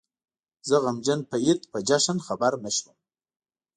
زه غمجن په عيد په جشن خبر نه شوم